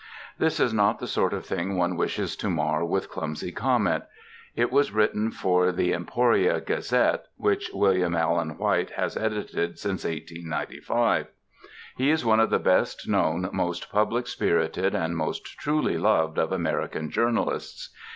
This is not the sort of thing one wishes to mar with clumsy comment. It was written for the Emporia Gazette, which William Allen White has edited since 1895. He is one of the best known, most public spirited and most truly loved of American journalists.